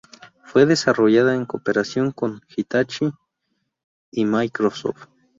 Fue desarrollada en cooperación con Hitachi y Microsoft.